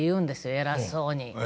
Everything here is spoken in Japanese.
偉そうに。